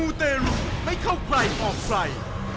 เตรุไม่เข้าใครออกใคร